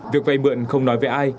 việc vay mượn không nói với ai